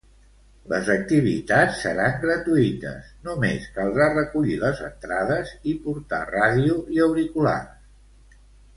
Les activitat seran gratuïtes, només caldrà recollir les entrades i portar ràdio i auriculars.